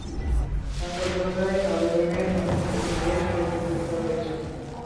সাংবাদিকতায় অবদানের জন্য তিনি বেশ কয়েকটি পুরস্কার পেয়েছেন।